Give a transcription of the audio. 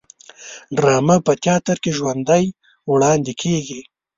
ډرامه په تیاتر کې ژوندی وړاندې کیږي